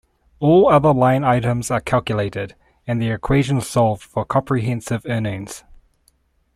All other line items are calculated, and the equation solved for comprehensive earnings.